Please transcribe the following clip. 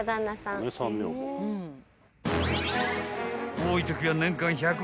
［多いときは］